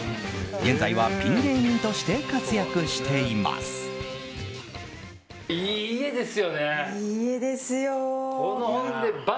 現在は、ピン芸人として活躍しています。